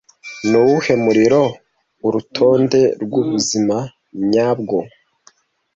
Nuwuhe muriro urutonde rwubuzima nyabwo--?